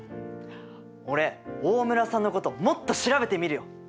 俺大村さんのこともっと調べてみるよ！